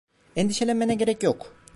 Endişelenmene gerek yok.